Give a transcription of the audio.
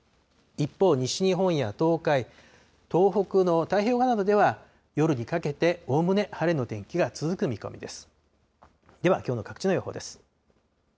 一方、西日本や東海、東北の太平洋側などでは、夜にかけておおむね晴れの天気が続く見込みです。